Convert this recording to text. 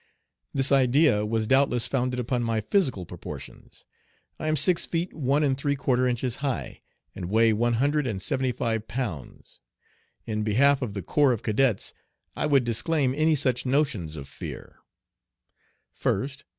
This idea was doubtless founded upon my physical proportions I am six feet one and three quarter inches high, and weigh one hundred and seventy five pounds. In behalf of the corps of cadets I would disclaim any such notions of fear, First.